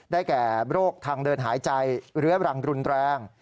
แก่โรคทางเดินหายใจเรื้อรังรุนแรง